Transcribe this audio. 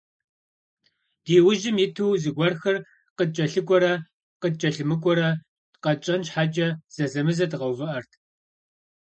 Ди ужьым иту зыгуэрхэр къыткӀэлъыкӀуэрэ къыткӀэлъымыкӀуэӀарэ къэтщӀэн щхьэкӀэ, зэзэмызэ дыкъэувыӀэрт.